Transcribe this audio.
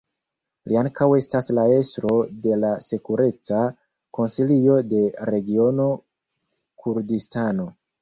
Li ankaŭ estas la estro de la Sekureca Konsilio de Regiono Kurdistano.